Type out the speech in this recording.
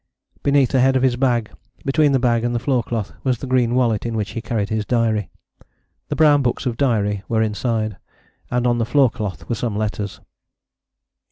Beneath the head of his bag, between the bag and the floor cloth, was the green wallet in which he carried his diary. The brown books of diary were inside: and on the floor cloth were some letters.